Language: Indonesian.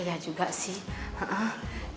iya juga sih